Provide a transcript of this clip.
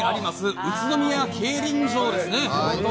宇都宮競輪場です。